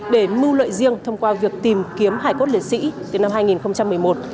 để mưu lợi riêng thông qua việc tìm kiếm hải cốt liệt sĩ từ năm hai nghìn một mươi một